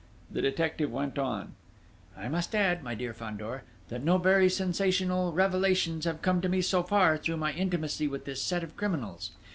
The detective went on: "I must add, my dear Fandor, that no very sensational revelations have come to me, so far, through my intimacy with this set of criminals.